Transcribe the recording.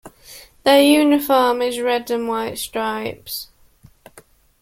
Their uniform is red and white stripes.